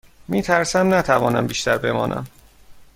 می ترسم نتوانم بیشتر بمانم.